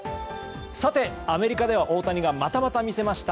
さて、アメリカでは大谷がまたまた見せました。